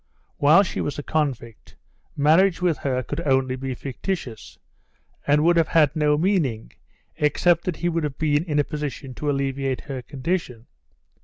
While she was a convict, marriage with her could only be fictitious, and would have had no meaning except that he would have been in a position to alleviate her condition.